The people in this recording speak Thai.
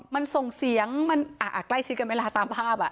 มันส่งเสียงมันใกล้ชิดกันไหมล่ะตามภาพ